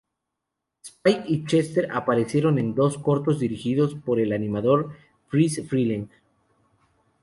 Spike y Chester aparecieron en dos cortos dirigidos por el animador Friz Freleng.